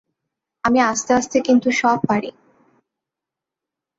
আমি আস্তে আস্তে কিন্তু সব পারি।